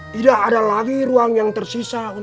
tidak ada lagi ruangnya yang bisa dikembangkan